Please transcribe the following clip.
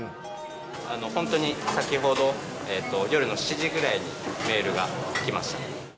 本当に先ほど、夜の７時ぐらいにメールが来ました。